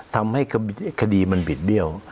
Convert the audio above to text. ทำให้คดีมันบิดเบี้ยว